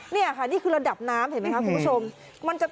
นี่ค่ะนี่คือระดับน้ำเห็นไหมคะคุณผู้ชม